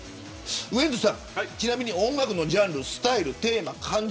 ウエンツさん、音楽のジャンルスタイル、テーマ、感情